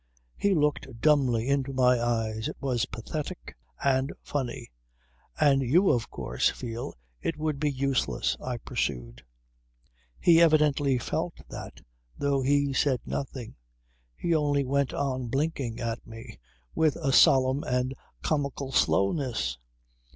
He looked dumbly into my eyes. It was pathetic and funny. "And you of course feel it would be useless," I pursued. He evidently felt that, though he said nothing. He only went on blinking at me with a solemn and comical slowness.